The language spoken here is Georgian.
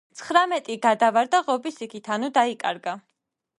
ცხრამეტი გადავარდა ღობის იქით, ანუ დაიკარგა.